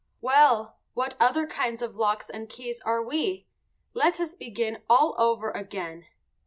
Well, what other kinds of locks and keys are we? Let us begin all over again.